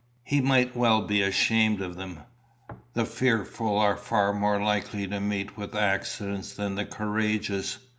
He might well be ashamed of them. The fearful are far more likely to meet with accidents than the courageous.